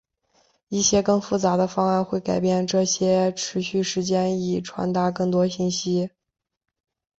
一些更复杂的方案会改变这些持续时间以传达更多信息。